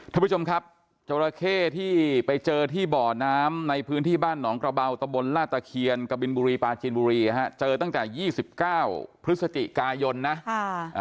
ท่านผู้ชมครับจราเข้ที่ไปเจอที่บ่อน้ำในพื้นที่บ้านหนองกระเบาตะบนลาตะเคียนกบินบุรีปลาจีนบุรีฮะเจอตั้งแต่ยี่สิบเก้าพฤศจิกายนนะค่ะอ่า